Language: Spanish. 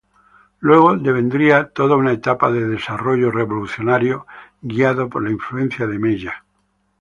Luego devendría toda una etapa de desarrollo revolucionario, guiado por la influencia de Mella.